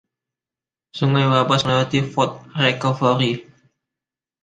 Sungai Wabash melewati Fort Recovery.